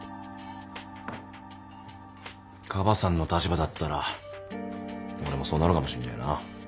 カバさんの立場だったら俺もそうなるかもしんねえな。